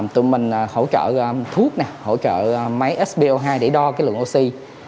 tụi mình hỗ trợ thuốc hỗ trợ máy spo hai để đo lượng oxy